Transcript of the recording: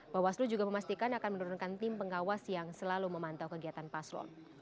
bawaslu juga memastikan akan menurunkan tim pengawas yang selalu memantau kegiatan paslon